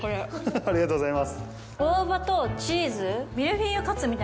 ありがとうございます。